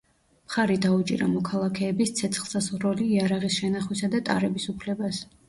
მხარი დაუჭირა მოქალაქეების ცეცხლსასროლი იარაღის შენახვისა და ტარების უფლებას.